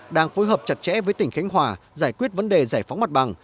đang phối hợp chặt chẽ với tỉnh khánh hòa giải quyết vấn đề giải phóng mặt bằng